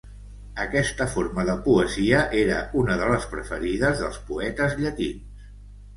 Aquesta forma de poesia era una de les preferides dels poetes llatins.